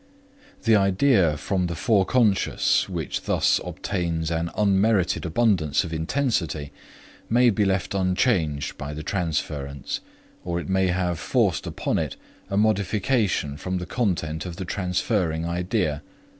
The idea from the foreconscious which thus obtains an unmerited abundance of intensity may be left unchanged by the transference, or it may have forced upon it a modification from the content of the transferring idea.